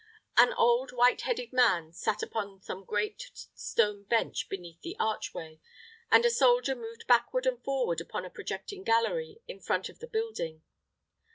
An old white headed man sat upon the great stone bench beneath the archway; and a soldier moved backward and forward upon a projecting gallery in front of the building.